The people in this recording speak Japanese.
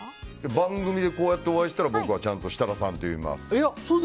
番組でこうやってお会いしたら僕はちゃんといや、設楽って呼ぶ。